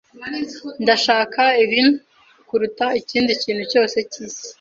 Ndashaka ibi kuruta ikindi kintu cyose cyisi.